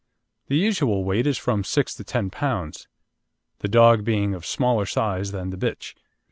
The usual weight is from six to ten pounds, the dog being of smaller size than the bitch.